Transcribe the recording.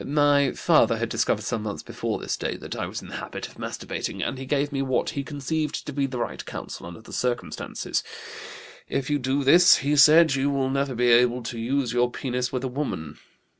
My father had discovered, some months before this date, that I was in the habit of masturbating, and he gave me what he conceived to be the right counsel under the circumstances: 'If you do this,' he said, 'you will never be able to use your penis with a woman.